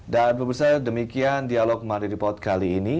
dan bapak bursa demikian dialog mahdi report kali ini